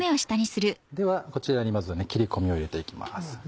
ではこちらにまずは切り込みを入れて行きます。